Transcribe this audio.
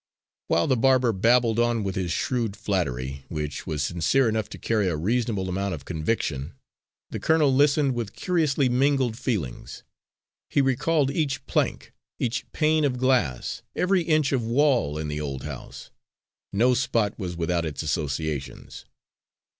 '" While the barber babbled on with his shrewd flattery, which was sincere enough to carry a reasonable amount of conviction, the colonel listened with curiously mingled feelings. He recalled each plank, each pane of glass, every inch of wall, in the old house. No spot was without its associations.